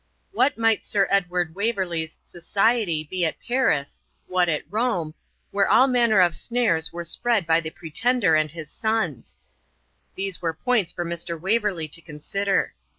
What might Mr. Edward Waverley's society be at Paris, what at Rome, where all manner of snares were spread by the Pretender and his sons these were points for Mr. Waverley to consider.